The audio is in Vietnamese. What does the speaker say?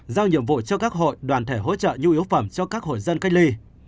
giao nhiệm vụ cho các hội đoàn thể hỗ trợ nhu yếu phẩm cho các hội dân cách ly